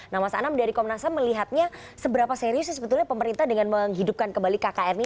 nah mas anam dari komnasnya melihatnya seberapa seriusnya sebetulnya pemerintah dengan menghidupkan kembali kkr ini